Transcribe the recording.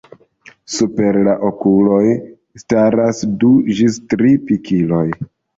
Super la okuloj staras du ĝis tri pikiloj.